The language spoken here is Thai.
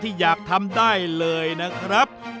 อยากทำได้เลยนะครับ